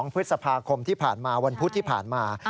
พฤษภาคมที่ผ่านมาวันพุธที่ผ่านมา